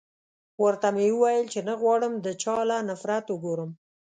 ورته و مې ويل چې نه غواړم د چا له نفرت وګورم.